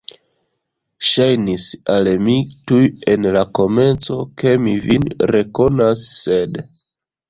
Ŝajnis al mi tuj en la komenco, ke mi vin rekonas, sed.